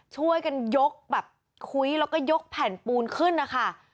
ช่วยกันยกแบบคุ้ยแล้วก็ยกแผ่นปูนขึ้นนะคะ